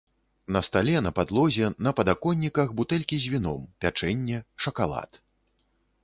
На стале, на падлозе, на падаконніках бутэлькі з віном, пячэнне, шакалад.